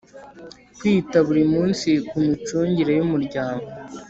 Kwita buri munsi ku micungire y Umuryango